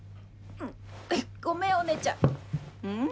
ごめんお姉ちゃん。